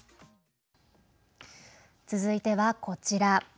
続いては、こちら。